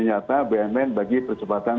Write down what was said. nyata bumn bagi percepatan